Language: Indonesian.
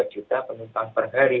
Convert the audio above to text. dua juta penumpang per hari